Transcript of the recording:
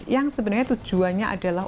yang sebenarnya tujuannya adalah